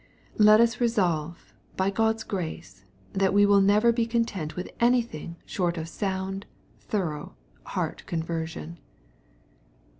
) Let us resolve, by God's gi ace, that we will never be content with anything short of sound, thorough, heart conversion.